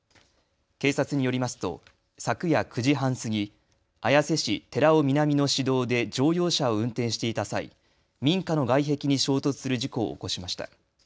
警察によりますと昨夜９時半過ぎ、綾瀬市寺尾南の市道で乗用車を運転していた際、民家の外壁に衝突する事故を起こしました。